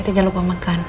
jangan lupa makan